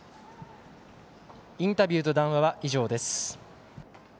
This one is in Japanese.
インタビューと談話、以上です。